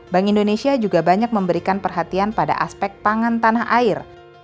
bank indonesia juga banyak memberikan perhatian pada aspek pangan tanah air